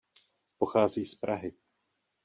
Pochází z Prahy.